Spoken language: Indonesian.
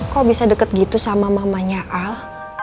kok bisa deket gitu sama mamanya al